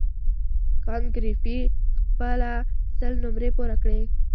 کانت ګریفي خپله سل نمرې پوره کړې.